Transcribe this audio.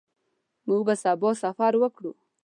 موږ به سبا سفر وکړو.